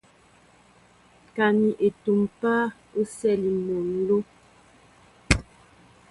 Ka ni etúm páá, o sɛli mol nló.